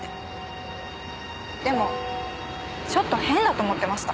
でもちょっと変だと思ってました。